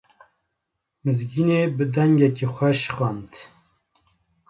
Mizgînê bi dengekî xweş xwend.